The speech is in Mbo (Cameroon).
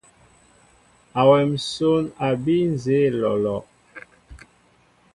Awem nsón a bii nzeé olɔlɔ.